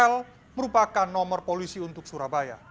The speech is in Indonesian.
l merupakan nomor polisi untuk surabaya